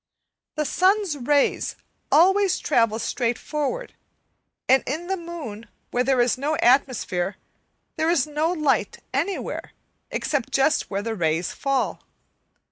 The sun's rays always travel straight forward; and in the moon, where there is no atmosphere, there is no light anywhere except just where the rays fall.